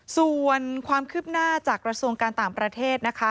ส่วนความคืบหน้าจากกระทรวงการต่างประเทศนะคะ